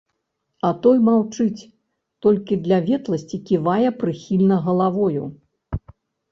А той маўчыць, толькі для ветласці ківае прыхільна галавою.